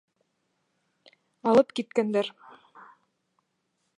Алып киткәндәр!